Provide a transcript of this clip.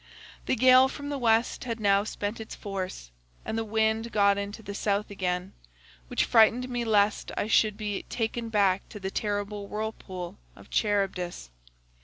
"[The gale from the West had now spent its force, and the wind got into the South again, which frightened me lest I should be taken back to the terrible whirlpool of Charybdis.